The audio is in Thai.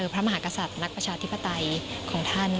พระมหากษัตริย์นักประชาธิปไตยของท่าน